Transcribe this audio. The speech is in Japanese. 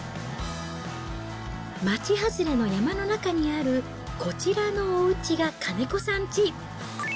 町外れの山の中にあるこちらのおうちが金子さんち。